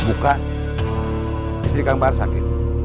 buka istri kang bahar sakit